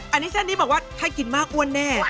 อันนี้เส้นนี้บอกว่าถ้ากินมากอ้วนแน่